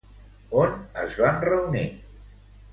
On es van reunir?